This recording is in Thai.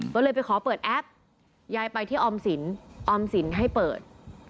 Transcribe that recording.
ก็เลยไปขอเปิดแอปยายไปที่ออมสินออมสินให้เปิด